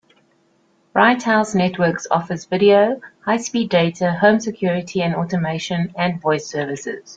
Bright House Networks offers video, high-speed data, home security and automation and voice services.